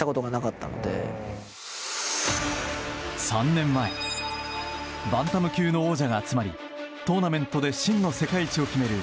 ３年前バンタム級の王者が集まりトーナメントで真の世界一を決める